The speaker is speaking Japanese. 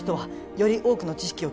「より多くの知識を」